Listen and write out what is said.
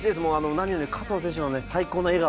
何よりも加藤選手の最高の笑顔